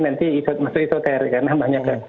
maksudnya isoter karena banyak